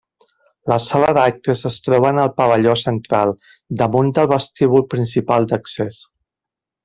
La Sala d'Actes es troba en el pavelló central, damunt del vestíbul principal d'accés.